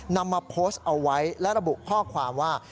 นำมาโพสต์เอาไว้และระบุข้อความว่า